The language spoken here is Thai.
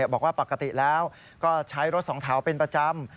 บอกว่าปกติแล้วก็ใช้รถสองแถวเป็นประจำ